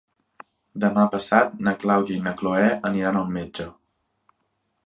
Demà passat na Clàudia i na Cloè aniran al metge.